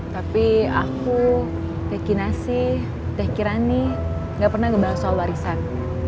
tapi aku teh kinasi teh kirani gak pernah ngebahas soal warisan